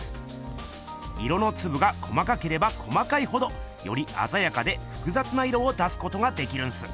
色のつぶが細かければ細かいほどよりあざやかでふくざつな色を出すことができるんす。